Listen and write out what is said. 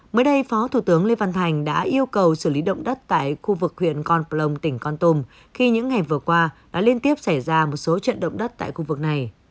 mới đây phó thủ tướng lê văn thành đã yêu cầu xử lý động đất tại khu vực huyện con plong tỉnh con tum khi những ngày vừa qua đã liên tiếp xảy ra một số trận động đất tại khu vực này